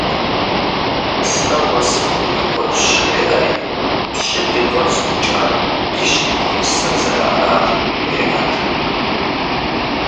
Сэ уэ сыпхурикъунщ жеӀэри, пщым и къуэр зыукӀар и щхьэгъусэр зэрыарар жреӀэж.